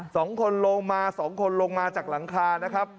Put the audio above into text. สองคนลงมาสองคนลงมาจากหลังคานะครับ